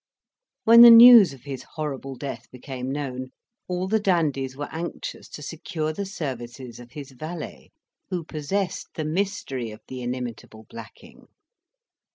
When the news of his horrible death became known, all the dandies were anxious to secure the services of his valet, who possessed the mystery of the inimitable blacking.